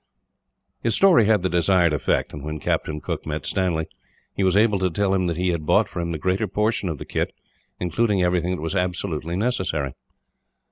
His story had the desired effect; and when Captain Cooke met Stanley, he was able to tell him that he had bought for him the greater portion of the kit, including everything that was absolutely necessary.